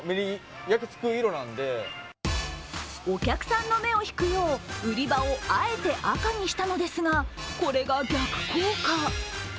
お客さんの目を引くよう売り場をあえて赤にしたのですが、これが逆効果。